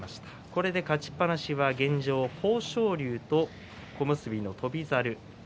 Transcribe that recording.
これで勝ちっぱなしは現状、豊昇龍と小結の翔猿。